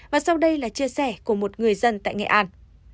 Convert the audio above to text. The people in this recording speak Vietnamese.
và sau đây là chia sẻ của một người dân tại nghệ an